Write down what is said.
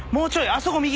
あそこ右。